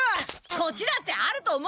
こっちだってあると思う！